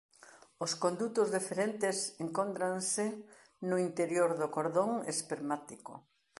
Os condutos deferentes encóntranse no interior do cordón espermático.